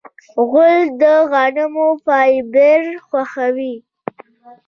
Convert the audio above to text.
غول د غنمو فایبر خوښوي.